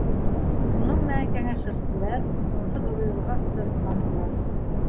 Уның менән кәңәшләштеләр, унһыҙ оло юлға сыҡманылар.